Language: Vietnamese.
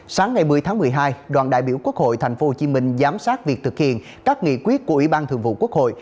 sáng ngày một mươi tháng một mươi hai đoàn đại biểu quốc hội tp hcm giám sát việc thực hiện các nghị quyết của ủy ban thường vụ quốc hội